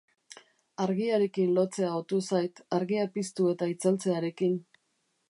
Argiarekin lotzea otu zait, argia piztu eta itzaltzearekin.